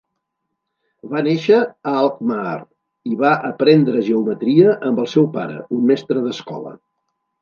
Va néixer a Alkmaar i va aprendre geometria amb el seu pare, un mestre d'escola.